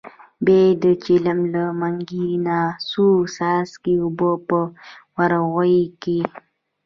بیا یې د چلم له منګي نه څو څاڅکي اوبه په ورغوي کې.